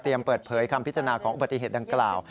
เปิดเผยคำพิจารณาของอุบัติเหตุดังกล่าว